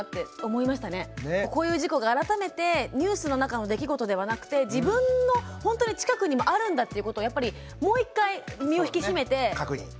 こういう事故が改めてニュースの中の出来事ではなくて自分のほんとに近くにもあるんだっていうことをやっぱりもう一回身を引き締めて家の中確認しましょう。